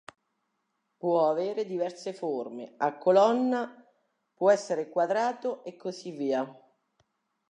Può avere diverse forme: a colonna, può essere quadrato e così via.